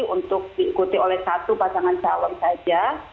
untuk diikuti oleh satu pasangan calon saja